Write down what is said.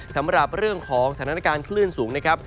สำหรับเรื่องของสถานการณ์คลื่นสูงนะครับ